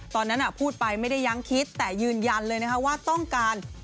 ตอนนั้นพูดไปไม่ได้ยังคิดแต่ยืนยันเลยนะคะว่าต้องการ